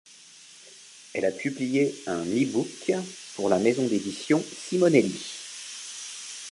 Elle a publié un e-book pour la maison d'édition Simonelli.